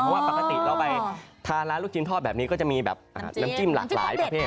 เพราะว่าปกติเราไปทานร้านลูกชิ้นทอดแบบนี้ก็จะมีแบบน้ำจิ้มหลากหลายประเภท